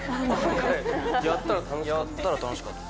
やったら楽しかった。